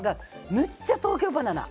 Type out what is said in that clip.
むっちゃ東京ばな奈！